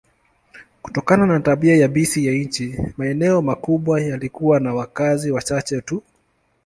Kutokana na tabia yabisi ya nchi, maeneo makubwa yalikuwa na wakazi wachache tu.